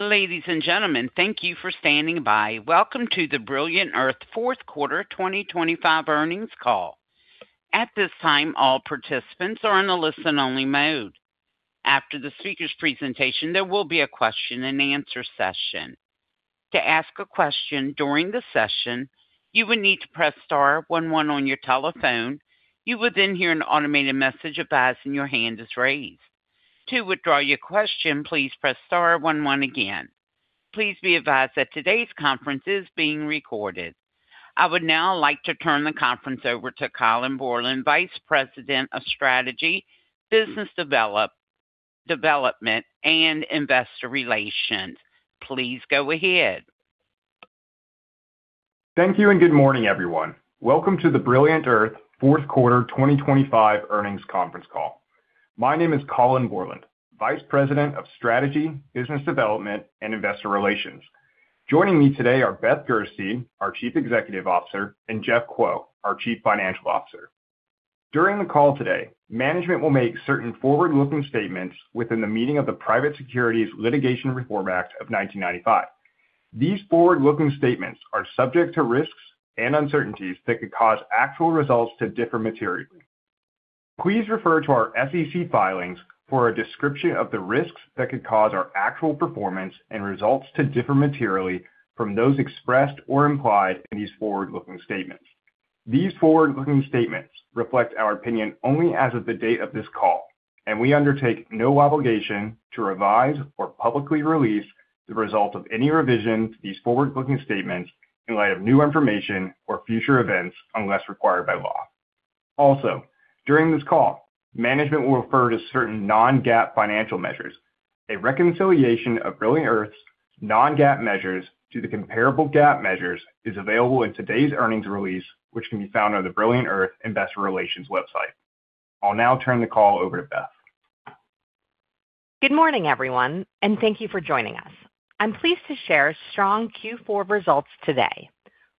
Ladies and gentlemen, thank you for standing by. Welcome to the Brilliant Earth Fourth Quarter 2025 Earnings Call. At this time, all participants are in a listen-only mode. After the speakers' presentation, there will be a question-and-answer session. To ask a question during the session, you will need to press star 11 on your telephone. You will then hear an automated message advising your hand is raised. To withdraw your question, please press star 11 again. Please be advised that today's conference is being recorded. I would now like to turn the conference over to Colin Borland, Vice President of Strategy, Business Development, and Investor Relations. Please go ahead. Thank you. Good morning, everyone. Welcome to the Brilliant Earth Fourth Quarter 2025 Earnings Conference Call. My name is Colin Borland, Vice President of Strategy, Business Development, and Investor Relations. Joining me today are Beth Gerstein, our Chief Executive Officer, and Jeff Kuo, our Chief Financial Officer. During the call today, management will make certain forward-looking statements within the meaning of the Private Securities Litigation Reform Act of 1995. These forward-looking statements are subject to risks and uncertainties that could cause actual results to differ materially. Please refer to our SEC filings for a description of the risks that could cause our actual performance and results to differ materially from those expressed or implied in these forward-looking statements. These forward-looking statements reflect our opinion only as of the date of this call, and we undertake no obligation to revise or publicly release the result of any revision to these forward-looking statements in light of new information or future events, unless required by law. Also, during this call, management will refer to certain non-GAAP financial measures. A reconciliation of Brilliant Earth's non-GAAP measures to the comparable GAP measures is available in today's earnings release, which can be found on the Brilliant Earth Investor Relations website. I'll now turn the call over to Beth. Good morning, everyone, thank you for joining us. I'm pleased to share strong Q4 results today.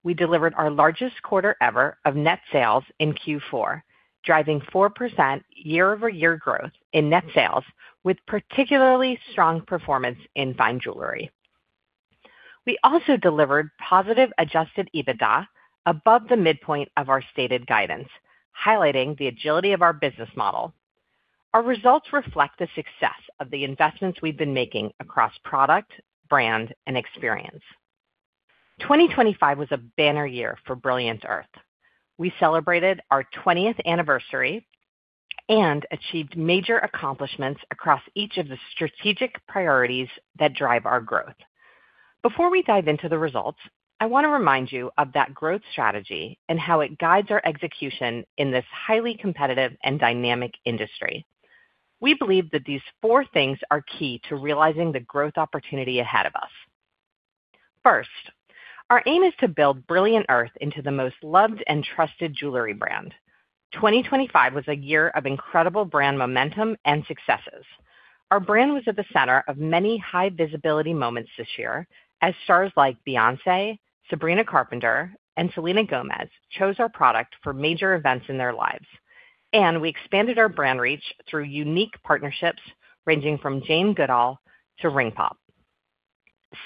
We delivered our largest quarter ever of net sales in Q4, driving 4% year-over-year growth in net sales, with particularly strong performance in fine jewelry. We also delivered positive adjusted EBITDA above the midpoint of our stated guidance, highlighting the agility of our business model. Our results reflect the success of the investments we've been making across product, brand, and experience. 2025 was a banner year for Brilliant Earth. We celebrated our twentieth anniversary and achieved major accomplishments across each of the strategic priorities that drive our growth. Before we dive into the results, I wanna remind you of that growth strategy and how it guides our execution in this highly competitive and dynamic industry. We believe that these four things are key to realizing the growth opportunity ahead of us. First, our aim is to build Brilliant Earth into the most loved and trusted jewelry brand. 2025 was a year of incredible brand momentum and successes. Our brand was at the center of many high-visibility moments this year as stars like Beyoncé, Sabrina Carpenter, and Selena Gomez chose our product for major events in their lives. We expanded our brand reach through unique partnerships ranging from Jane Goodall to Ring Pop.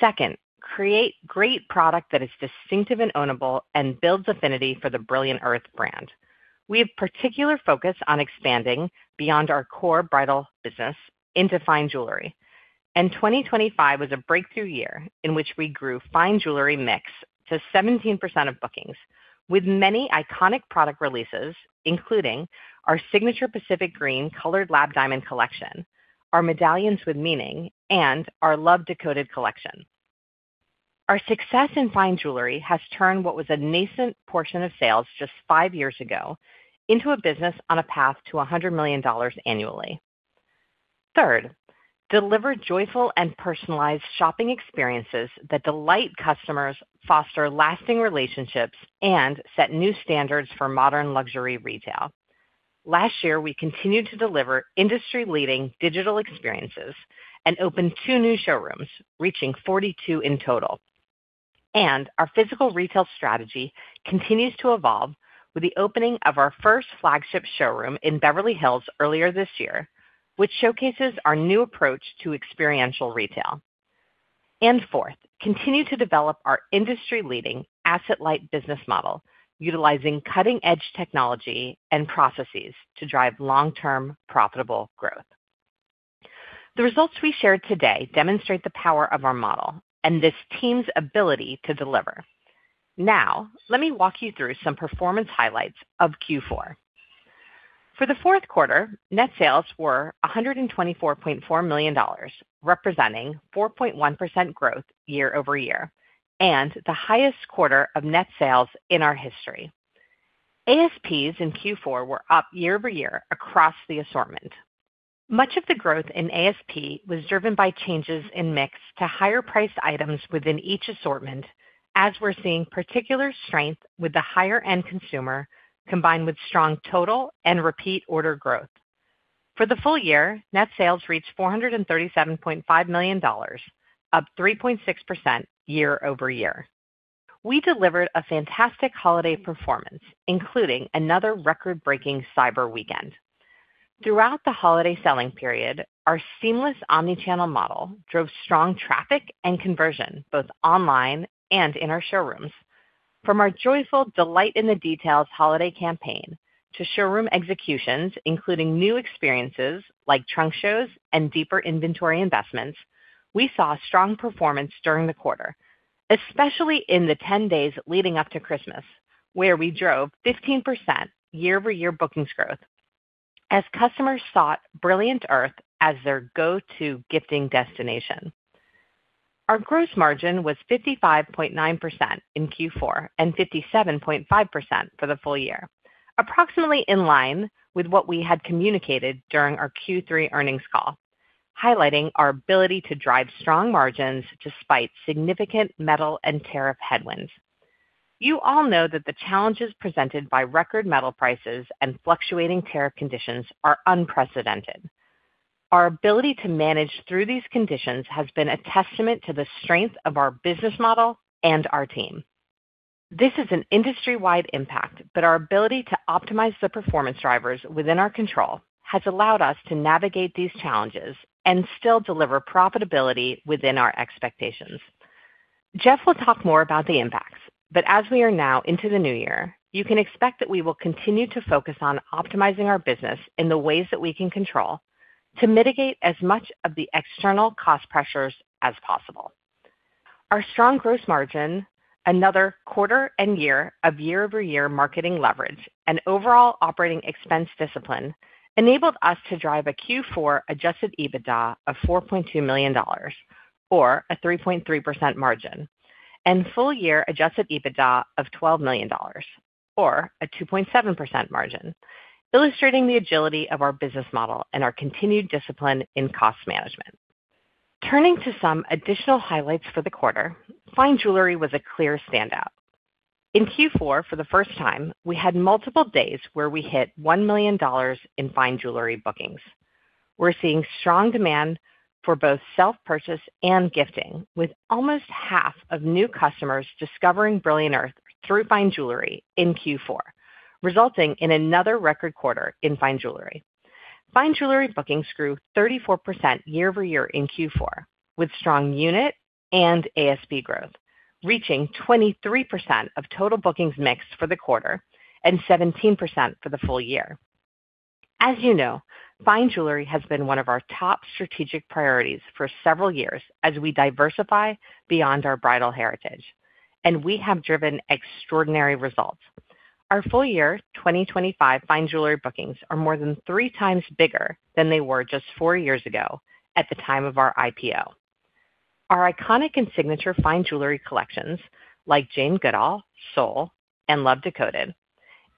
Second, create great product that is distinctive and ownable and builds affinity for the Brilliant Earth brand. We have particular focus on expanding beyond our core bridal business into fine jewelry. 2025 was a breakthrough year in which we grew fine jewelry mix to 17% of bookings with many iconic product releases, including our signature Pacific Green Colored Lab Diamond Collection, our Medallions with Meaning, and our Love, Decoded Collection. Our success in fine jewelry has turned what was a nascent portion of sales just five years ago into a business on a path to $100 million annually. Third, deliver joyful and personalized shopping experiences that delight customers, foster lasting relationships, and set new standards for modern luxury retail. Last year, we continued to deliver industry-leading digital experiences and opened two new showrooms, reaching 42 in total. Our physical retail strategy continues to evolve with the opening of our first flagship showroom in Beverly Hills earlier this year, which showcases our new approach to experiential retail. Fourth, continue to develop our industry-leading asset-light business model, utilizing cutting-edge technology and processes to drive long-term profitable growth. The results we share today demonstrate the power of our model and this team's ability to deliver. Now, let me walk you through some performance highlights of Q4. For the fourth quarter, net sales were $124.4 million, representing 4.1% growth year-over-year, the highest quarter of net sales in our history. ASPs in Q4 were up year-over-year across the assortment. Much of the growth in ASP was driven by changes in mix to higher priced items within each assortment, as we're seeing particular strength with the higher-end consumer, combined with strong total and repeat order growth. For the full year, net sales reached $437.5 million, up 3.6% year-over-year. We delivered a fantastic holiday performance, including another record-breaking cyber weekend. Throughout the holiday selling period, our seamless omnichannel model drove strong traffic and conversion, both online and in our showrooms. From our joyful delight in the details holiday campaign to showroom executions, including new experiences like trunk shows and deeper inventory investments, we saw strong performance during the quarter, especially in the 10 days leading up to Christmas, where we drove 15% year-over-year bookings growth as customers sought Brilliant Earth as their go-to gifting destination. Our gross margin was 55.9% in Q4 and 57.5% for the full year. Approximately in line with what we had communicated during our Q3 earnings call, highlighting our ability to drive strong margins despite significant metal and tariff headwinds. You all know that the challenges presented by record metal prices and fluctuating tariff conditions are unprecedented. Our ability to manage through these conditions has been a testament to the strength of our business model and our team. This is an industry-wide impact, but our ability to optimize the performance drivers within our control has allowed us to navigate these challenges and still deliver profitability within our expectations. As we are now into the new year, you can expect that we will continue to focus on optimizing our business in the ways that we can control to mitigate as much of the external cost pressures as possible. Our strong gross margin, another quarter and year of year-over-year marketing leverage and overall operating expense discipline, enabled us to drive a Q4 adjusted EBITDA of $4.2 million or a 3.3% margin, and full year adjusted EBITDA of $12 million or a 2.7% margin, illustrating the agility of our business model and our continued discipline in cost management. Turning to some additional highlights for the quarter, fine jewelry was a clear standout. In Q4, for the first time, we had multiple days where we hit $1 million in fine jewelry bookings. We're seeing strong demand for both self-purchase and gifting, with almost half of new customers discovering Brilliant Earth through fine jewelry in Q4, resulting in another record quarter in fine jewelry. Fine jewelry bookings grew 34% year-over-year in Q4, with strong unit and ASP growth reaching 23% of total bookings mix for the quarter and 17% for the full year. As you know, fine jewelry has been one of our top strategic priorities for several years as we diversify beyond our bridal heritage, and we have driven extraordinary results. Our full year 2025 fine jewelry bookings are more than 3x bigger than they were just four years ago at the time of our IPO. Our iconic and signature fine jewelry collections like Jane Goodall, Sol, and Love, Decoded,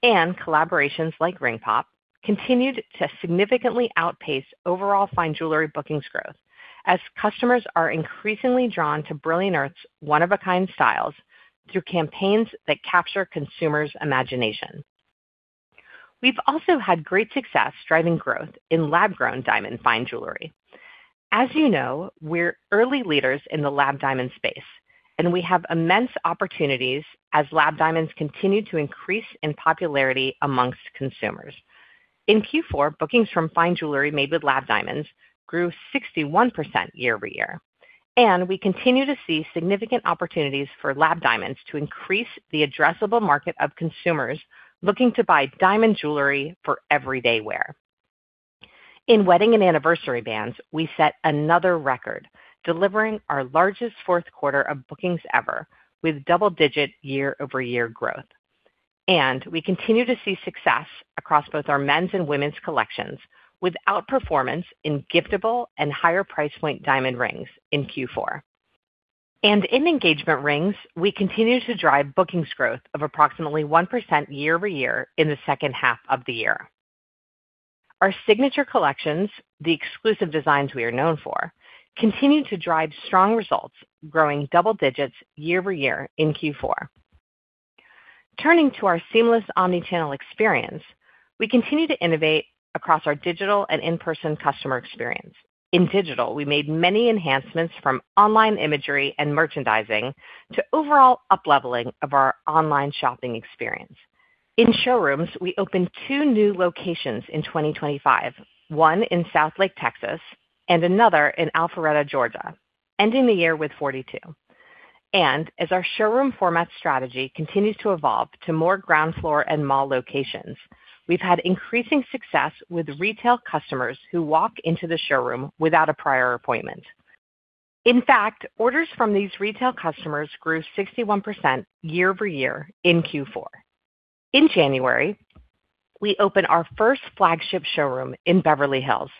and collaborations like Ring Pop continued to significantly outpace overall fine jewelry bookings growth as customers are increasingly drawn to Brilliant Earth's one-of-a-kind styles through campaigns that capture consumers' imagination. We've also had great success driving growth in lab-grown diamond fine jewelry. As you know, we're early leaders in the lab diamond space, we have immense opportunities as lab diamonds continue to increase in popularity amongst consumers. In Q4, bookings from fine jewelry made with lab diamonds grew 61% year-over-year, we continue to see significant opportunities for lab diamonds to increase the addressable market of consumers looking to buy diamond jewelry for everyday wear. In wedding and anniversary bands, we set another record, delivering our largest fourth quarter of bookings ever with double-digit year-over-year growth. We continue to see success across both our men's and women's collections with outperformance in giftable and higher price point diamond rings in Q4. In engagement rings, we continue to drive bookings growth of approximately 1% year-over-year in the second half of the year. Our signature collections, the exclusive designs we are known for, continue to drive strong results, growing double digits year-over-year in Q4. Turning to our seamless omnichannel experience, we continue to innovate across our digital and in-person customer experience. In digital, we made many enhancements from online imagery and merchandising to overall upleveling of our online shopping experience. In showrooms, we opened 2 new locations in 2025, 1 in Southlake, Texas and another in Alpharetta, Georgia, ending the year with 42. As our showroom format strategy continues to evolve to more ground floor and mall locations, we've had increasing success with retail customers who walk into the showroom without a prior appointment. In fact, orders from these retail customers grew 61% year-over-year in Q4. In January, we open our first flagship showroom in Beverly Hills.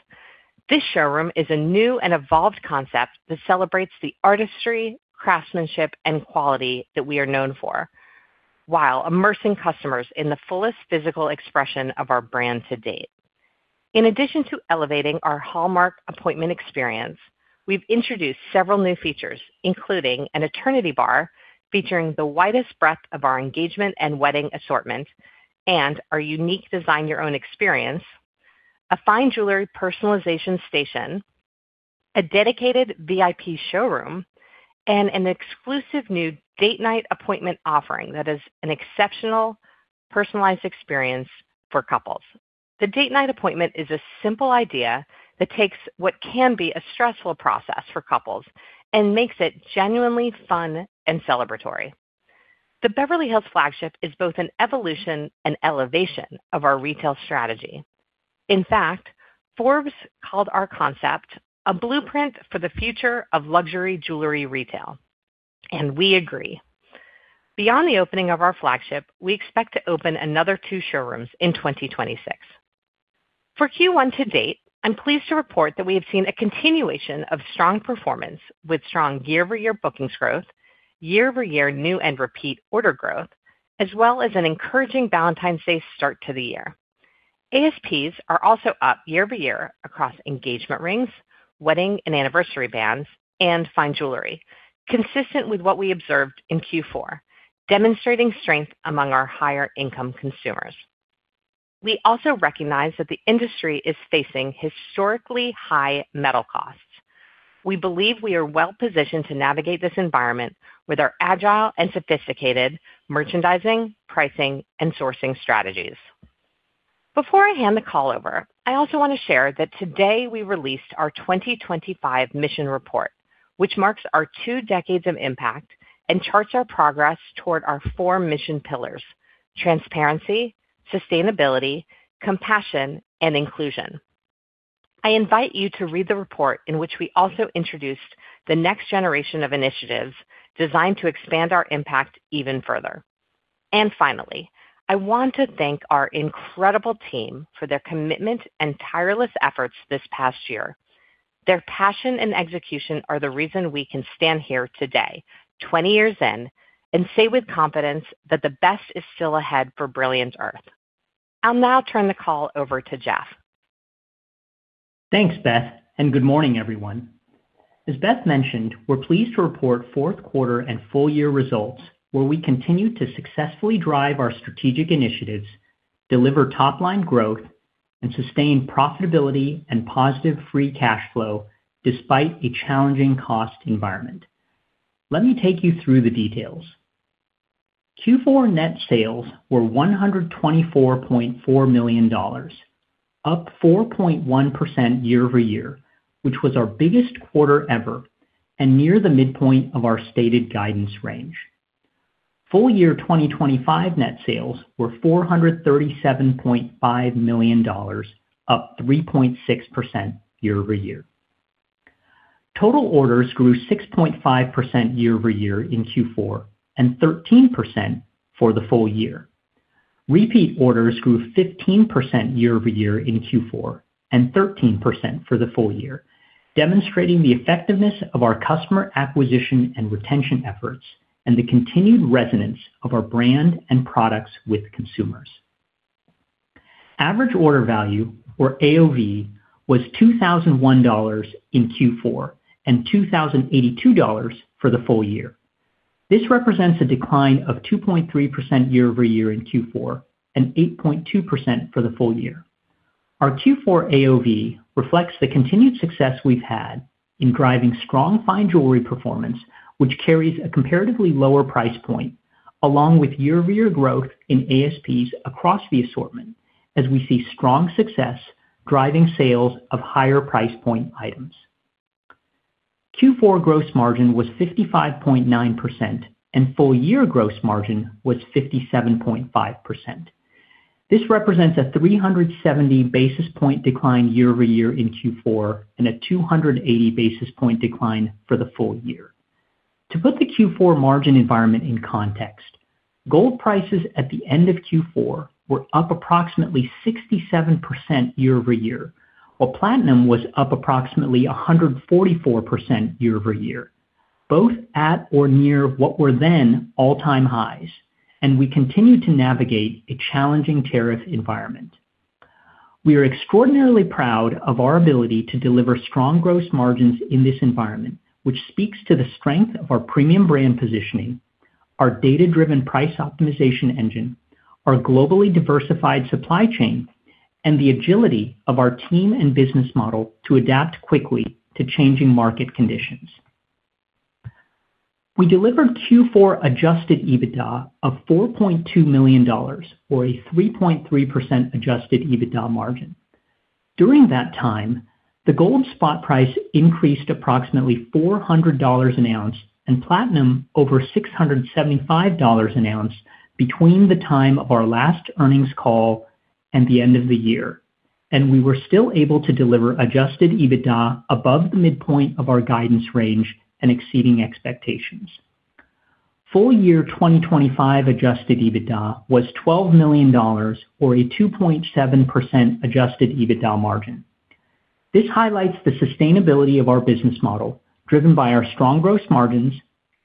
This showroom is a new and evolved concept that celebrates the artistry, craftsmanship, and quality that we are known for while immersing customers in the fullest physical expression of our brand to date. In addition to elevating our hallmark appointment experience, we've introduced several new features, including an eternity bar featuring the widest breadth of our engagement and wedding assortment and our unique design your own experience, a fine jewelry personalization station, a dedicated VIP showroom, and an exclusive new date night appointment offering that is an exceptional personalized experience for couples. The date night appointment is a simple idea that takes what can be a stressful process for couples and makes it genuinely fun and celebratory. The Beverly Hills flagship is both an evolution and elevation of our retail strategy. In fact, Forbes called our concept a blueprint for the future of luxury jewelry retail, and we agree. Beyond the opening of our flagship, we expect to open another two showrooms in 2026. For Q1 to date, I'm pleased to report that we have seen a continuation of strong performance with strong year-over-year bookings growth, year-over-year new and repeat order growth, as well as an encouraging Valentine's Day start to the year. ASPs are also up year-over-year across engagement rings, wedding and anniversary bands, and fine jewelry, consistent with what we observed in Q4, demonstrating strength among our higher income consumers. We also recognize that the industry is facing historically high metal costs. We believe we are well-positioned to navigate this environment with our agile and sophisticated merchandising, pricing, and sourcing strategies. Before I hand the call over, I also want to share that today we released our 2025 mission report, which marks our 2 decades of impact and charts our progress toward our 4 mission pillars: transparency, sustainability, compassion, and inclusion. I invite you to read the report in which we also introduced the next generation of initiatives designed to expand our impact even further. Finally, I want to thank our incredible team for their commitment and tireless efforts this past year. Their passion and execution are the reason we can stand here today, 20 years in, and say with confidence that the best is still ahead for Brilliant Earth. I'll now turn the call over to Jeff. Thanks, Beth. Good morning, everyone. As Beth mentioned, we're pleased to report fourth quarter and full year results where we continue to successfully drive our strategic initiatives, deliver top-line growth, and sustain profitability and positive free cash flow despite a challenging cost environment. Let me take you through the details. Q4 net sales were $124.4 million, up 4.1% year-over-year, which was our biggest quarter ever and near the midpoint of our stated guidance range. Full year 2025 net sales were $437.5 million, up 3.6% year-over-year. Total orders grew 6.5% year-over-year in Q4, and 13% for the full year. Repeat orders grew 15% year-over-year in Q4, and 13% for the full year, demonstrating the effectiveness of our customer acquisition and retention efforts and the continued resonance of our brand and products with consumers. Average order value, or AOV, was $2,001 in Q4, and $2,082 for the full year. This represents a decline of 2.3% year-over-year in Q4, and 8.2% for the full year. Our Q4 AOV reflects the continued success we've had in driving strong fine jewelry performance, which carries a comparatively lower price point, along with year-over-year growth in ASPs across the assortment as we see strong success driving sales of higher price point items. Q4 gross margin was 55.9%, and full year gross margin was 57.5%. This represents a 370 basis point decline year-over-year in Q4, and a 280 basis point decline for the full year. To put the Q4 margin environment in context, gold prices at the end of Q4 were up approximately 67% year-over-year, while platinum was up approximately 144% year-over-year, both at or near what were then all-time highs, and we continue to navigate a challenging tariff environment. We are extraordinarily proud of our ability to deliver strong gross margins in this environment, which speaks to the strength of our premium brand positioning, our data-driven price optimization engine, our globally diversified supply chain, and the agility of our team and business model to adapt quickly to changing market conditions. We delivered Q4 adjusted EBITDA of $4.2 million, or a 3.3% adjusted EBITDA margin. During that time, the gold spot price increased approximately $400 an ounce and platinum over $675 an ounce between the time of our last earnings call and the end of the year, we were still able to deliver adjusted EBITDA above the midpoint of our guidance range and exceeding expectations. Full year 2025 adjusted EBITDA was $12 million or a 2.7% adjusted EBITDA margin. This highlights the sustainability of our business model driven by our strong gross margins,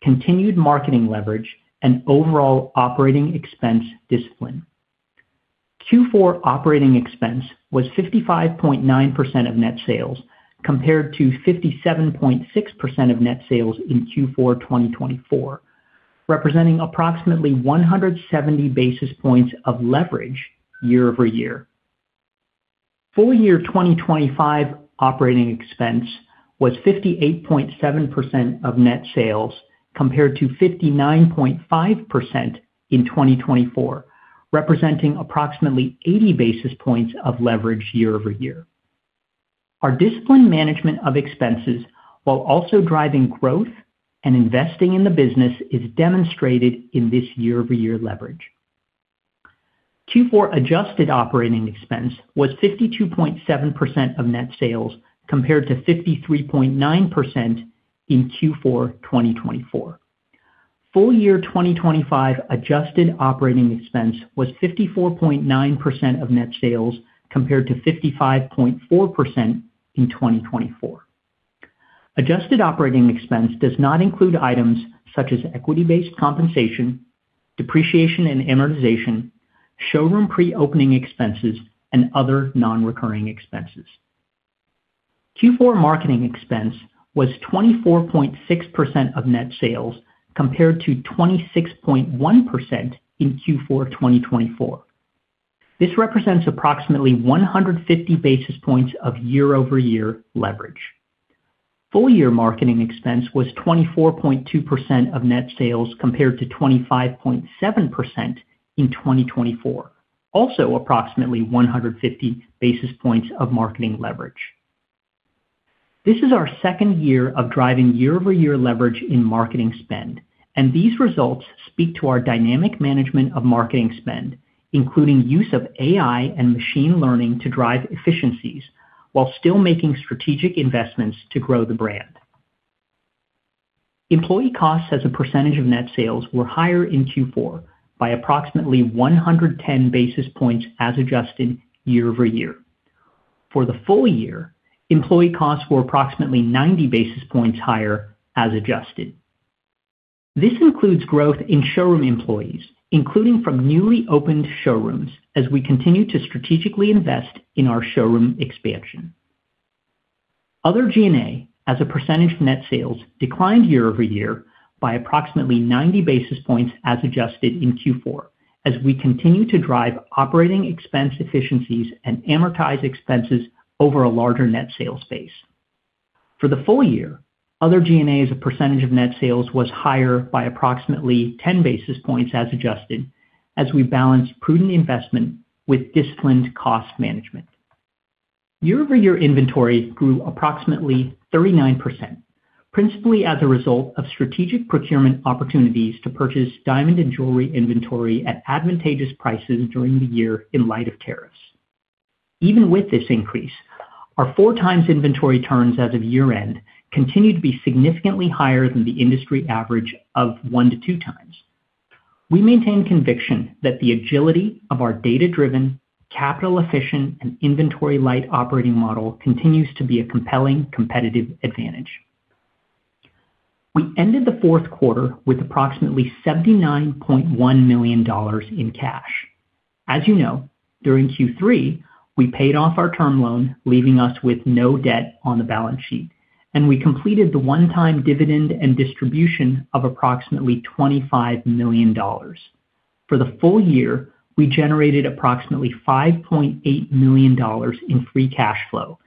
continued marketing leverage and overall operating expense discipline. Q4 operating expense was 55.9% of net sales, compared to 57.6% of net sales in Q4 2024. Representing approximately 170 basis points of leverage year-over-year. Full year 2025 operating expense was 58.7% of net sales compared to 59.5% in 2024, representing approximately 80 basis points of leverage year-over-year. Our disciplined management of expenses while also driving growth and investing in the business is demonstrated in this year-over-year leverage. Q4 adjusted operating expense was 52.7% of net sales, compared to 53.9% in Q4 2024. Full year 2025 adjusted operating expense was 54.9% of net sales, compared to 55.4% in 2024. Adjusted operating expense does not include items such as equity-based compensation, depreciation and amortization, showroom pre-opening expenses, and other non-recurring expenses. Q4 marketing expense was 24.6% of net sales, compared to 26.1% in Q4 2024. This represents approximately 150 basis points of year-over-year leverage. Full year marketing expense was 24.2% of net sales compared to 25.7% in 2024. Approximately 150 basis points of marketing leverage. This is our second year of driving year-over-year leverage in marketing spend, and these results speak to our dynamic management of marketing spend, including use of AI and machine learning to drive efficiencies while still making strategic investments to grow the brand. Employee costs as a percentage of net sales were higher in Q4 by approximately 110 basis points as adjusted year-over-year. For the full year, employee costs were approximately 90 basis points higher as adjusted. This includes growth in showroom employees, including from newly opened showrooms as we continue to strategically invest in our showroom expansion. Other G&A as a percentage of net sales declined year-over-year by approximately 90 basis points as adjusted in Q4 as we continue to drive operating expense efficiencies and amortize expenses over a larger net sales base. For the full year, other G&A as a percentage of net sales was higher by approximately 10 basis points as adjusted as we balance prudent investment with disciplined cost management. Year-over-year inventory grew approximately 39%, principally as a result of strategic procurement opportunities to purchase diamond and jewelry inventory at advantageous prices during the year in light of tariffs. Even with this increase, our 4x inventory turns as of year-end continue to be significantly higher than the industry average of 1x to 2x. We maintain conviction that the agility of our data-driven, capital-efficient, and inventory-light operating model continues to be a compelling competitive advantage. We ended the fourth quarter with approximately $79.1 million in cash. As you know, during Q3, we paid off our term loan, leaving us with no debt on the balance sheet, we completed the one-time dividend and distribution of approximately $25 million. For the full year, we generated approximately $5.8 million in free cash flow,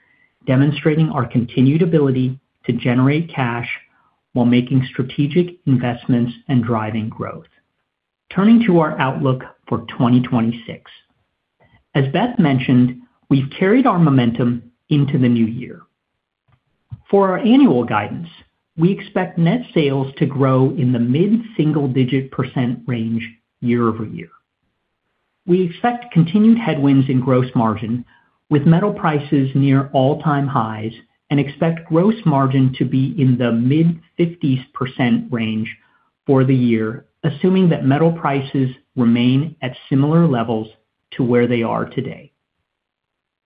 demonstrating our continued ability to generate cash while making strategic investments and driving growth. Turning to our outlook for 2026. As Beth mentioned, we've carried our momentum into the new year. For our annual guidance, we expect net sales to grow in the mid-single-digit percent range year-over-year. We expect continued headwinds in gross margin with metal prices near all-time highs and expect gross margin to be in the mid-50s% range for the year, assuming that metal prices remain at similar levels to where they are today.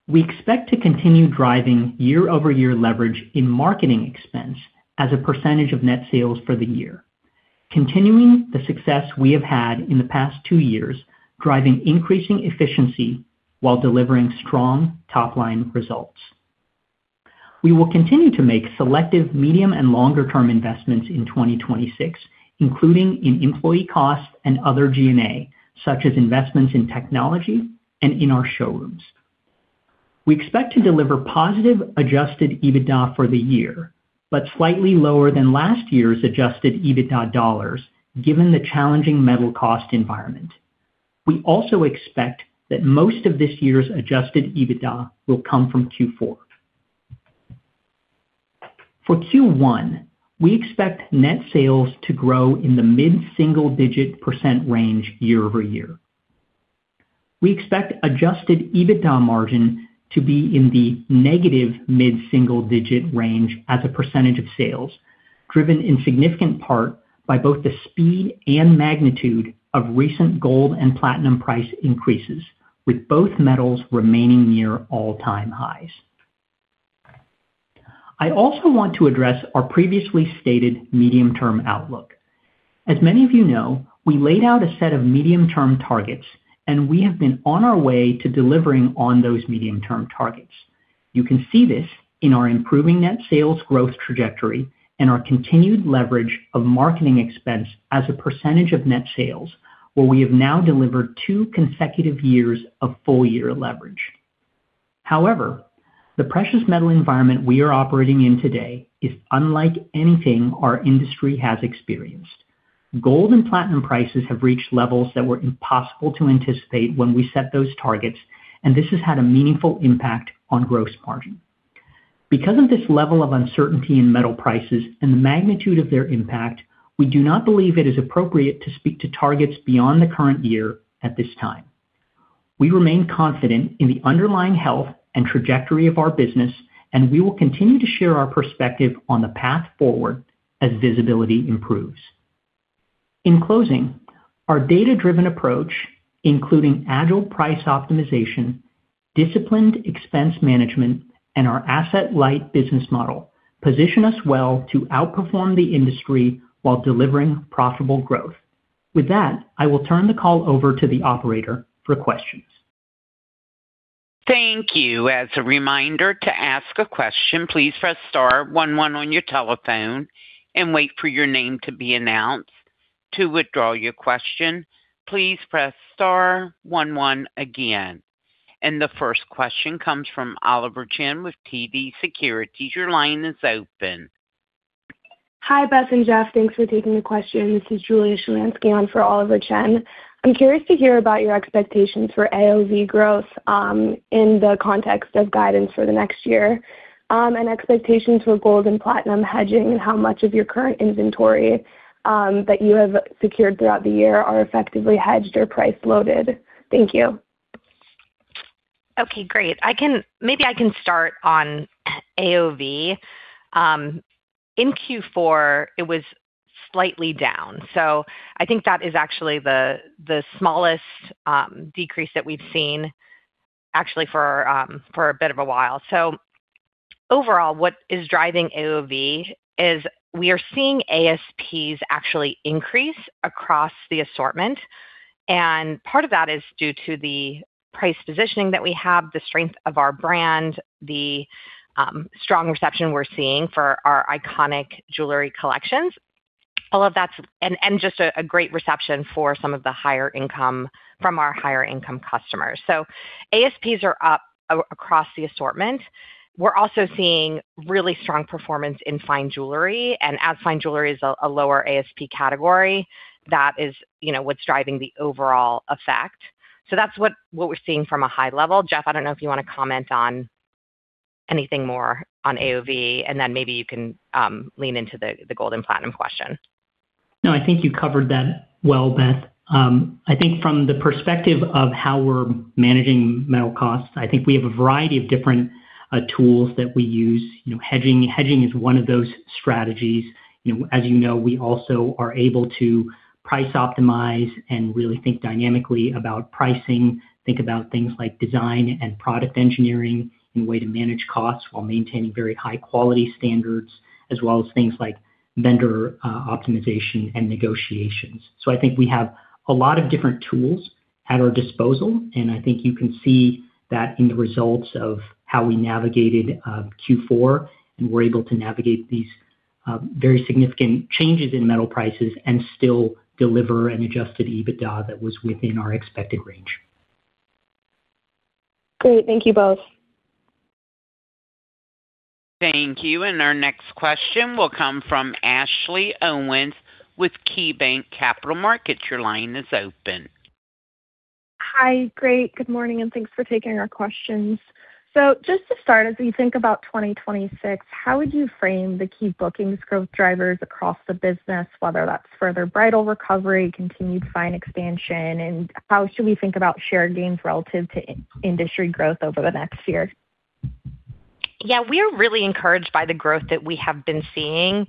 We expect to continue driving year-over-year leverage in marketing expense as a percentage of net sales for the year. Continuing the success we have had in the past two years, driving increasing efficiency while delivering strong top-line results. We will continue to make selective medium and longer-term investments in 2026, including in employee costs and other G&A, such as investments in technology and in our showrooms. We expect to deliver positive adjusted EBITDA for the year, but slightly lower than last year's adjusted EBITDA dollars, given the challenging metal cost environment. We also expect that most of this year's adjusted EBITDA will come from Q4. For Q1, we expect net sales to grow in the mid-single digit percent range year-over-year. We expect adjusted EBITDA margin to be in the negative mid-single digit range as a percentage of sales, driven in significant part by both the speed and magnitude of recent gold and platinum price increases, with both metals remaining near all-time highs. I also want to address our previously stated medium-term outlook. As many of you know, we laid out a set of medium-term targets, and we have been on our way to delivering on those medium-term targets. You can see this in our improving net sales growth trajectory and our continued leverage of marketing expense as a percentage of net sales, where we have now delivered two consecutive years of full-year leverage. However, the precious metal environment we are operating in today is unlike anything our industry has experienced. Gold and platinum prices have reached levels that were impossible to anticipate when we set those targets, and this has had a meaningful impact on gross margin. Because of this level of uncertainty in metal prices and the magnitude of their impact, we do not believe it is appropriate to speak to targets beyond the current year at this time. We remain confident in the underlying health and trajectory of our business, and we will continue to share our perspective on the path forward as visibility improves. In closing, our data-driven approach, including agile price optimization, disciplined expense management, and our asset-light business model, position us well to outperform the industry while delivering profitable growth. With that, I will turn the call over to the operator for questions. Thank you. As a reminder, to ask a question, please press star one one on your telephone and wait for your name to be announced. To withdraw your question, please press star one one again. The first question comes from Oliver Chen with TD Securities. Your line is open. Hi, Beth Gerstein and Jeffrey Kuo. Thanks for taking the question. This is Julia Shelanski on for Oliver Chen. I'm curious to hear about your expectations for AOV growth in the context of guidance for the next year, and expectations for gold and platinum hedging and how much of your current inventory that you have secured throughout the year are effectively hedged or price-loaded. Thank you. Okay, great. Maybe I can start on AOV. In Q4, it was slightly down. I think that is actually the smallest decrease that we've seen actually for for a bit of a while. Overall, what is driving AOV is we are seeing ASPs actually increase across the assortment. Part of that is due to the price positioning that we have, the strength of our brand, the strong reception we're seeing for our iconic jewelry collections. All of that's and just a great reception from our higher income customers. ASPs are up across the assortment. We're also seeing really strong performance in fine jewelry. As fine jewelry is a lower ASP category, that is, you know, what's driving the overall effect. That's what we're seeing from a high level. Jeff, I don't know if you want to comment on anything more on AOV, and then maybe you can lean into the gold and platinum question. I think you covered that well, Beth. I think from the perspective of how we're managing metal costs, I think we have a variety of different tools that we use. You know, hedging is one of those strategies. You know, as you know, we also are able to price optimize and really think dynamically about pricing, think about things like design and product engineering in a way to manage costs while maintaining very high quality standards, as well as things like vendor optimization and negotiations. I think we have a lot of different tools at our disposal, and I think you can see that in the results of how we navigated Q4, and we're able to navigate these very significant changes in metal prices and still deliver an adjusted EBITDA that was within our expected range. Great. Thank you both. Thank you. Our next question will come from Ashley Owens with KeyBanc Capital Markets. Your line is open. Hi. Great. Good morning. Thanks for taking our questions. Just to start, as we think about 2026, how would you frame the key bookings growth drivers across the business, whether that's further bridal recovery, continued fine expansion, and how should we think about share gains relative to in-industry growth over the next year? Yeah, we are really encouraged by the growth that we have been seeing,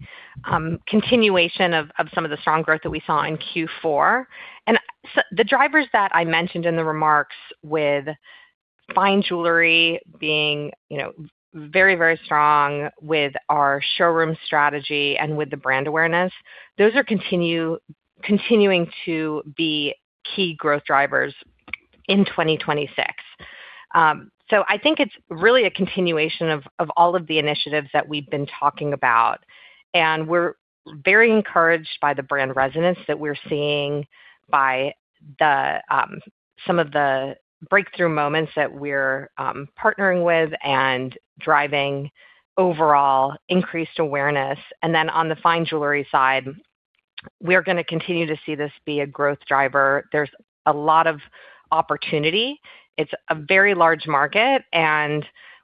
continuation of some of the strong growth that we saw in Q4. The drivers that I mentioned in the remarks with fine jewelry being, you know, very, very strong with our showroom strategy and with the brand awareness, those are continuing to be key growth drivers in 2026. I think it's really a continuation of all of the initiatives that we've been talking about. We're very encouraged by the brand resonance that we're seeing by the some of the breakthrough moments that we're partnering with and driving overall increased awareness. Then on the fine jewelry side, we're gonna continue to see this be a growth driver. There's a lot of opportunity. It's a very large market.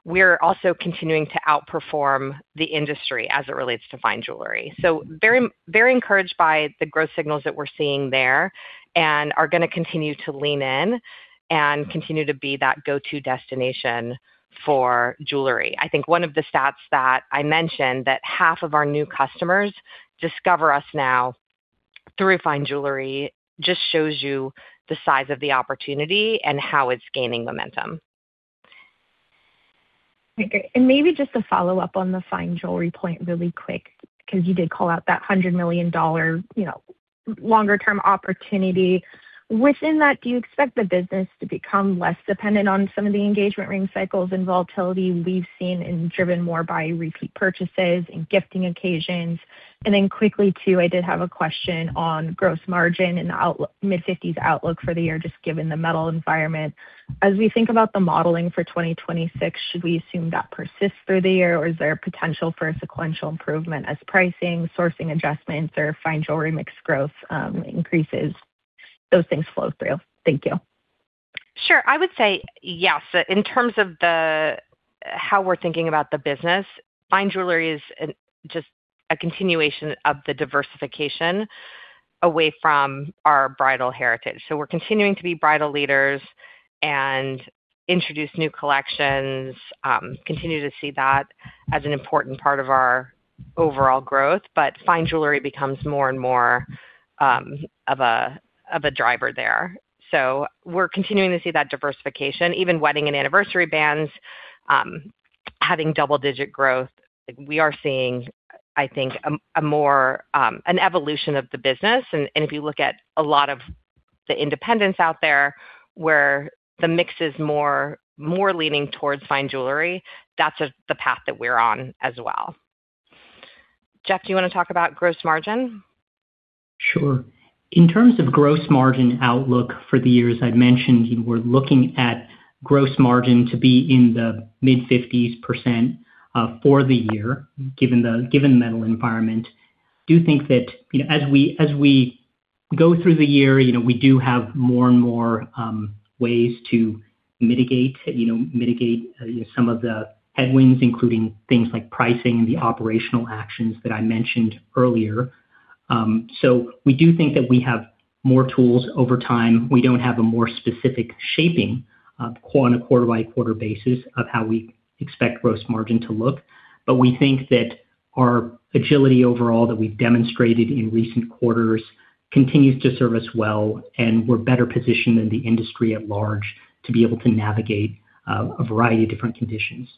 We're also continuing to outperform the industry as it relates to fine jewelry. Very, very encouraged by the growth signals that we're seeing there and are gonna continue to lean in and continue to be that go-to destination for jewelry. I think one of the stats that I mentioned that half of our new customers discover us now through fine jewelry just shows you the size of the opportunity and how it's gaining momentum. Okay. Maybe just a follow-up on the fine jewelry point really quick, because you did call out that $100 million, you know, longer-term opportunity. Within that, do you expect the business to become less dependent on some of the engagement ring cycles and volatility we've seen and driven more by repeat purchases and gifting occasions? Quickly too, I did have a question on gross margin and the mid-fifties outlook for the year, just given the metal environment. As we think about the modeling for 2026, should we assume that persists through the year, or is there potential for a sequential improvement as pricing, sourcing adjustments, or fine jewelry mix growth increases, those things flow through? Thank you. Sure. I would say yes. In terms of the, how we're thinking about the business, fine jewelry is just a continuation of the diversification away from our bridal heritage. We're continuing to be bridal leaders and introduce new collections, continue to see that as an important part of our overall growth. Fine jewelry becomes more and more of a driver there. We're continuing to see that diversification. Even wedding and anniversary bands, having double-digit growth. We are seeing, I think, a more an evolution of the business. If you look at a lot of the independents out there, where the mix is more leaning towards fine jewelry, that's the path that we're on as well. Jeff, do you want to talk about gross margin? Sure. In terms of gross margin outlook for the year, as I mentioned, we're looking at gross margin to be in the mid-50s% for the year, given the metal environment. Do think that, you know, as we go through the year, you know, we do have more and more ways to mitigate some of the headwinds, including things like pricing and the operational actions that I mentioned earlier. We do think that we have more tools over time. We don't have a more specific shaping on a quarter-by-quarter basis of how we expect gross margin to look. We think that our agility overall that we've demonstrated in recent quarters continues to serve us well, and we're better positioned than the industry at large to be able to navigate a variety of different conditions.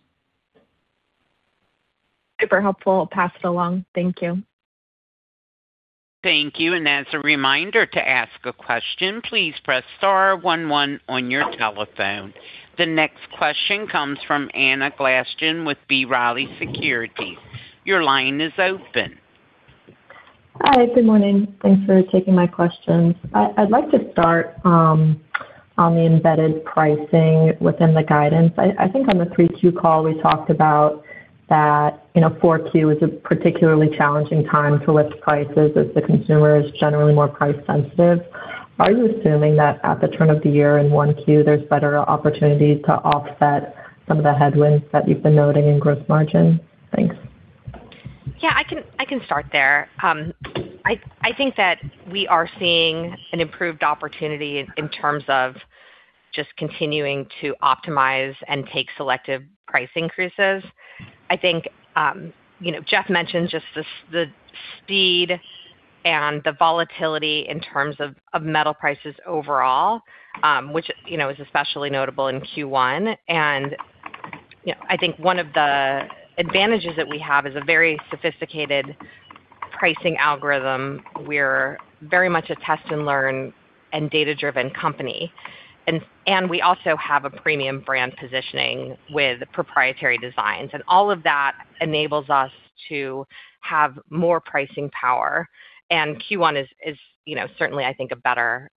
Super helpful. I'll pass it along. Thank you. Thank you. As a reminder to ask a question, please press star one one on your telephone. The next question comes from Anna Glaessgen with B. Riley Securities. Your line is open. Hi. Good morning. Thanks for taking my questions. I'd like to start on the embedded pricing within the guidance. I think on the 3Q call, we talked about that, you know, 4Q is a particularly challenging time to lift prices as the consumer is generally more price sensitive. Are you assuming that at the turn of the year in 1Q, there's better opportunity to offset some of the headwinds that you've been noting in gross margin? Thanks. Yeah. I can start there. I think that we are seeing an improved opportunity in terms of just continuing to optimize and take selective price increases. I think, you know, Jeff mentioned just the speed and the volatility in terms of metal prices overall, which, you know, is especially notable in Q1. You know, I think one of the advantages that we have is a very sophisticated pricing algorithm. We're very much a test and learn and data-driven company, and we also have a premium brand positioning with proprietary designs. All of that enables us to have more pricing power. Q1 is, you know, certainly I think, a better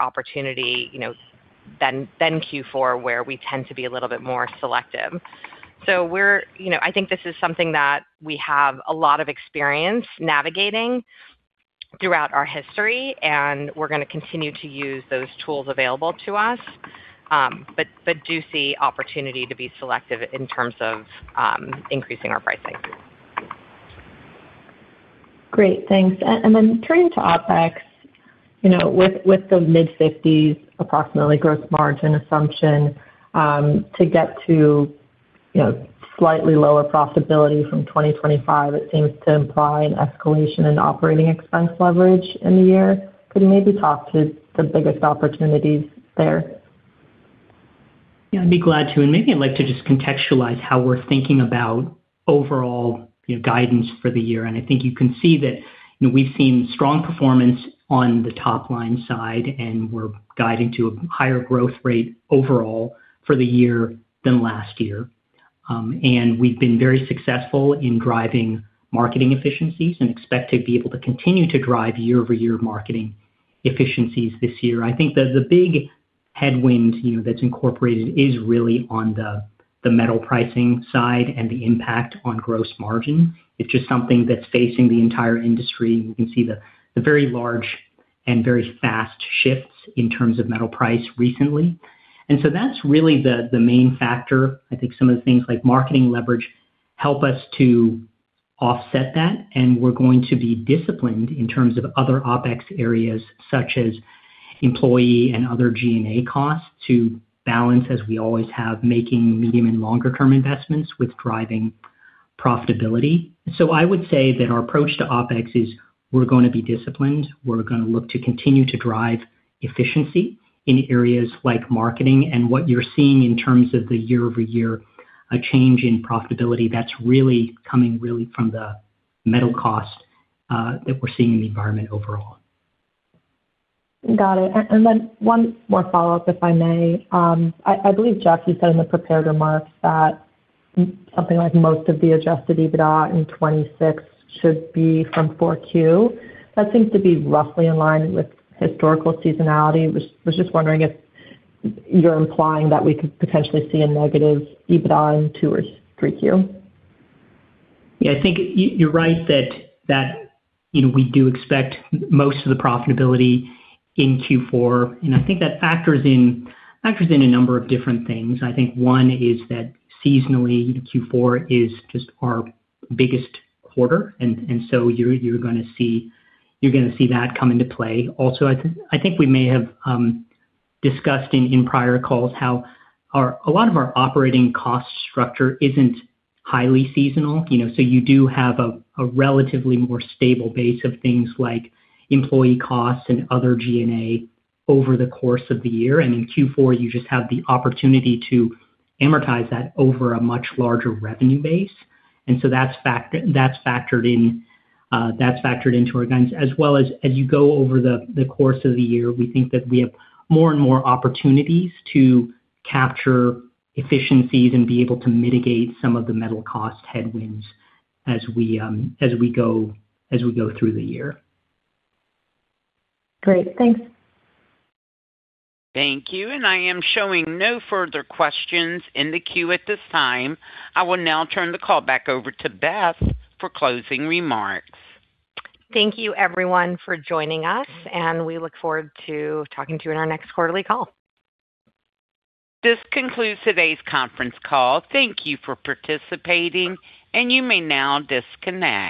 opportunity, you know, than Q4, where we tend to be a little bit more selective. You know, I think this is something that we have a lot of experience navigating throughout our history, and we're gonna continue to use those tools available to us. Do see opportunity to be selective in terms of increasing our pricing. Great. Thanks. Turning to OpEx, you know, with the mid-fifties approximately gross margin assumption, to get to, you know, slightly lower profitability from 2025, it seems to imply an escalation in operating expense leverage in the year. Could you maybe talk to the biggest opportunities there? Yeah, I'd be glad to. Maybe I'd like to just contextualize how we're thinking about overall, you know, guidance for the year. I think you can see that, you know, we've seen strong performance on the top-line side, and we're guiding to a higher growth rate overall for the year than last year. We've been very successful in driving marketing efficiencies and expect to be able to continue to drive year-over-year marketing efficiencies this year. I think the big headwind, you know, that's incorporated is really on the metal pricing side and the impact on gross margin. It's just something that's facing the entire industry. You can see the very large and very fast shifts in terms of metal price recently. That's really the main factor. I think some of the things like marketing leverage help us to offset that. We're going to be disciplined in terms of other OpEx areas such as employee and other G&A costs to balance, as we always have, making medium and longer term investments with driving profitability. I would say that our approach to OpEx is we're gonna be disciplined. We're gonna look to continue to drive efficiency in areas like marketing. What you're seeing in terms of the year-over-year change in profitability, that's really coming from the metal cost that we're seeing in the environment overall. Got it. Then one more follow-up, if I may. I believe, Jeff, you said in the prepared remarks that something like most of the adjusted EBITDA in 2026 should be from 4Q. That seems to be roughly in line with historical seasonality. Was just wondering if you're implying that we could potentially see a negative EBITDA in Q2 or Q3? I think you're right that, you know, we do expect most of the profitability in Q4, and I think that factors in a number of different things. I think one is that seasonally Q4 is just our biggest quarter, and so you're gonna see that come into play. Also, I think we may have discussed in prior calls how a lot of our operating cost structure isn't highly seasonal, you know. You do have a relatively more stable base of things like employee costs and other G&A over the course of the year. In Q4, you just have the opportunity to amortize that over a much larger revenue base. That's factored in, that's factored into our guidance. As well as you go over the course of the year, we think that we have more and more opportunities to capture efficiencies and be able to mitigate some of the metal cost headwinds as we go through the year. Great. Thanks. Thank you. I am showing no further questions in the queue at this time. I will now turn the call back over to Beth for closing remarks. Thank you, everyone, for joining us, and we look forward to talking to you in our next quarterly call. This concludes today's conference call. Thank you for participating, and you may now disconnect.